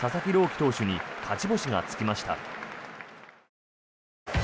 希投手に勝ち星がつきました。